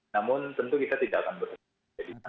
namun tentu kita tidak akan berhenti